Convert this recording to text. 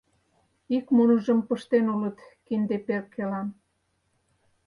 Ик муныжым пыштен улыт кинде перкелан